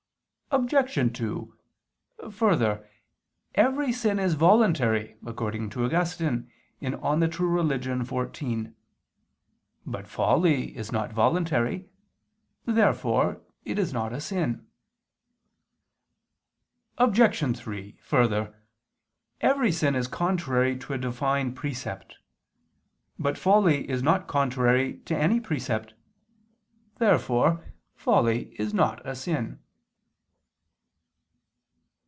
Obj. 2: Further, "Every sin is voluntary," according to Augustine (De Vera Relig. xiv). But folly is not voluntary. Therefore it is not a sin. Obj. 3: Further, every sin is contrary to a Divine precept. But folly is not contrary to any precept. Therefore folly is not a sin.